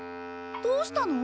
どうしたの？